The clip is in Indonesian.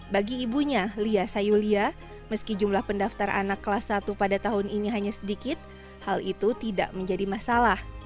bagi ibunya lia sayulia meski jumlah pendaftar anak kelas satu pada tahun ini hanya sedikit hal itu tidak menjadi masalah